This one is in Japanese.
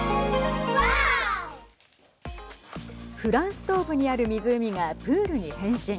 フランス東部にある湖がプールに変身。